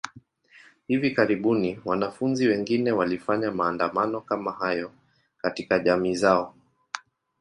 Hivi karibuni, wanafunzi wengine walifanya maandamano kama hayo katika jamii zao.